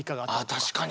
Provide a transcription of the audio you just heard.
あ確かに。